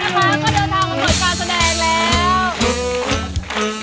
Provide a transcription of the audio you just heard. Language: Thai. หารักของผู้ที่บริปุญชีภาพยนตรี